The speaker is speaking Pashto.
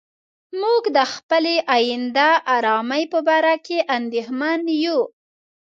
موږ د خپلې آینده آرامۍ په باره کې اندېښمن یو.